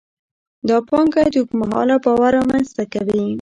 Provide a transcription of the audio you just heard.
دا پانګه د اوږد مهاله باور رامینځته کوي.